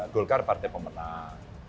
golkar partai pemenang